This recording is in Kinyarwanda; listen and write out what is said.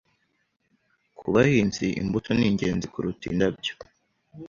Ku bahinzi, imbuto ni ingenzi kuruta indabyo.